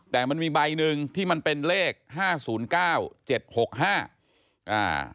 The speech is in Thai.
แต่มันมีใบหนึ่งที่มันเป็นเลขห้าศูนย์เก้าเจ็ดหกห้าอ่า